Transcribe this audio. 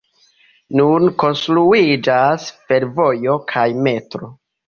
Nun konstruiĝas fervojo kaj metroo.